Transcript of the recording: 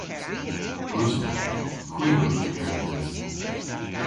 Gwrussowgh. Hwi a wrug kerdhes.